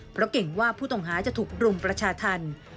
เพราะเก่งว่าผู้ต้องหาจะถูกรุมประชาธรรม